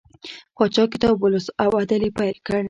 پاچا کتاب ولوست او عدل یې پیل کړ.